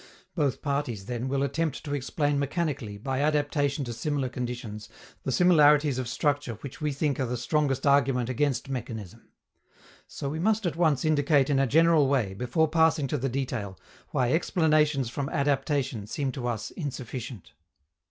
Both parties, then, will attempt to explain mechanically, by adaptation to similar conditions, the similarities of structure which we think are the strongest argument against mechanism. So we must at once indicate in a general way, before passing to the detail, why explanations from "adaptation" seem to us insufficient.